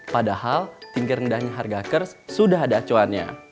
padahal tinggi rendahnya harga kers sudah ada acuannya